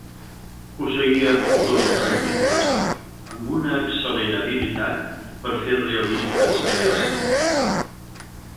Posseïa el do del sentit plàstic, amb una excel·lent habilitat per fer realistes creacions.